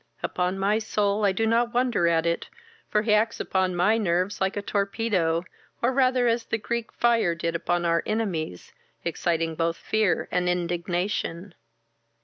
Upon my soul I do not wonder at it, for he acts upon my nerves like a torpedo, or rather as the Greek fire did upon our armies, exciting both fear and indignation."